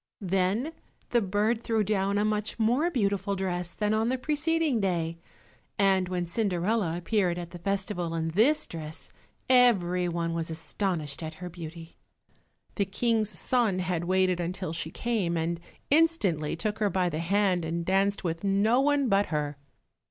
Then the bird threw down a much more beautiful dress than on the preceding day. And when Cinderella appeared at the festival in this dress, every one was astonished at her beauty. The King's son had waited until she came, and instantly took her by the hand and danced with no one but her.